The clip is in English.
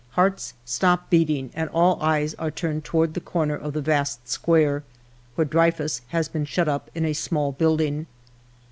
" Hearts stop beating, and all eyes are turned toward the corner of the vast square, where Dreyfus has been shut up in a small building.